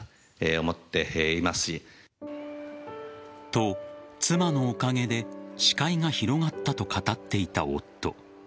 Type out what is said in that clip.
と、妻のおかげで視界が広がったと語っていた夫。